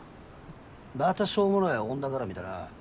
またしょうもない女がらみだな。